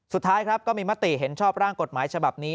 สุดท้ายครับก็มีมติเห็นชอบร่างกฎหมายฉบับนี้